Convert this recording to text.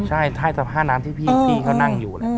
ใช่ถ้าสภาพน้ำที่พี่เขานั่งอยู่